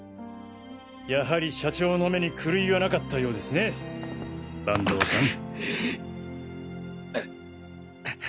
やはり社長の目に狂いはなかったようですね板東さん。